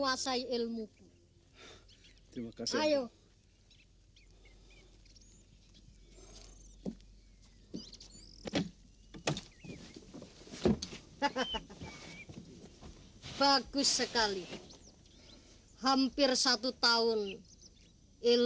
kami harus menjaga hak bali ini